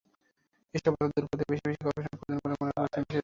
এসব বাধা দূর করতে বেশি বেশি গবেষণার প্রয়োজন বলে মনে করছেন বিশেষজ্ঞরা।